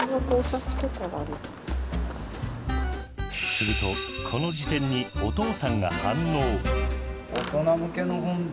するとこの事典にお父さんが反応。